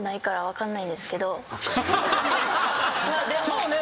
そうね。